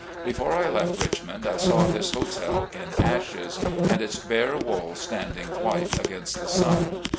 Before I left Richmond I saw this hotel in ashes, and its bare walls standing white against the sun.